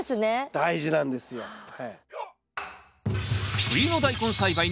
大事なんですよはい。